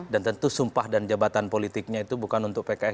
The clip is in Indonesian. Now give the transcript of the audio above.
tentu sumpah dan jabatan politiknya itu bukan untuk pks